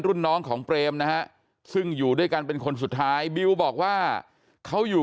รุ่นน้องของเปรมนะฮะซึ่งอยู่ด้วยกันเป็นคนสุดท้ายบิวบอกว่าเขาอยู่